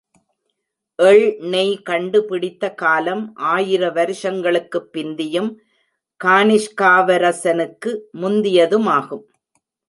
எள் நெய் கண்டு பிடித்த காலம் ஆயிர வருஷங்களுக்குப் பிந்தியும் கானிஷ்காவரசனுக்கு முந்தியது மாகும்.